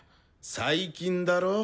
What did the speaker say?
「最近」だろ？